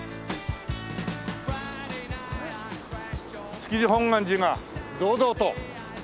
築地本願寺が堂々と。